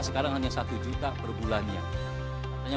sekarang hanya satu juta perbulannya